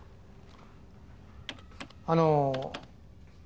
あの。